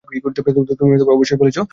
তুমি অবশ্যই বলেছ।